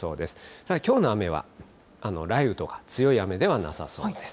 ただきょうの雨は、雷雨とか強い雨ではなさそうです。